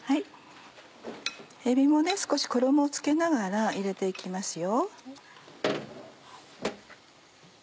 えびも少し衣を付けながら入れて行きますよ。